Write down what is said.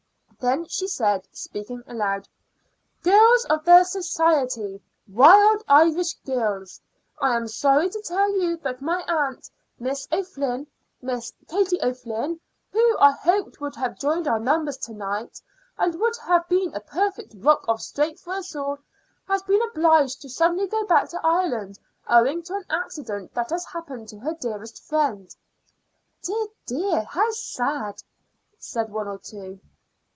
Then she said, speaking aloud: "Girls of the society, Wild Irish Girls, I am sorry to tell you that my aunt, Miss O'Flynn Miss Katie O'Flynn who I hoped would have joined our numbers to night, and would have been a perfect rock of strength for us all, has been obliged to suddenly go back to Ireland, owing to an accident that has happened to her dearest friend." "Dear, dear, how sad!" said one or two.